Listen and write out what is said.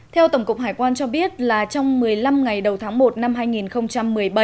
theo tổng cục hải quan cho biết là trong một mươi năm ngày đầu tháng một năm hai nghìn một mươi bảy